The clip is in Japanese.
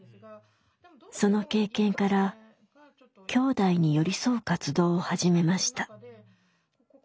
その経験からきょうだいに寄り添う活動を始めました。